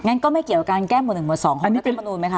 งั้นก็ไม่เกี่ยวกับการแก้หมวด๑หมวด๒ของรัฐมนูลไหมคะ